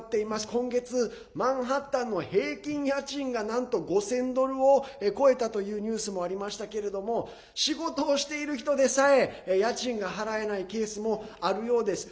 今月、マンハッタンの平均家賃がなんと５０００ドルを超えたというニュースもありましたけれども仕事をしている人でさえ家賃が払えないケースもあるようです。